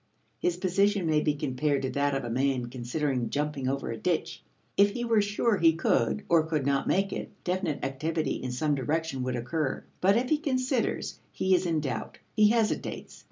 His position may be compared to that of a man considering jumping across a ditch. If he were sure he could or could not make it, definite activity in some direction would occur. But if he considers, he is in doubt; he hesitates.